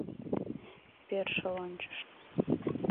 Першыл ончыш.